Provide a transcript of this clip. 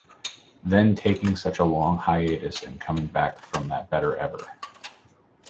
Then taking such a long hiatus and coming back from that better ever.